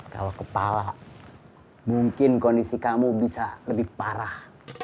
kalau kepala mungkin kondisi kamu bisa lebih parah